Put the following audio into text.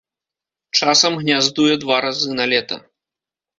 Часам гняздуе два разы на лета.